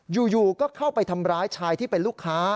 อยู่ก็เข้าไปทำร้ายชายที่เป็นลูกค้า